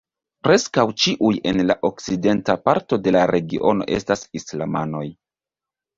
Preskaŭ ĉiuj en la okcidenta parto de la regiono estas islamanoj.